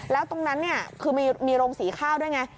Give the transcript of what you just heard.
แล้วตรงนั้นคือมีโรงสีข้าวด้วยไง